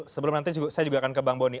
sebelum nanti saya juga akan ke bang boni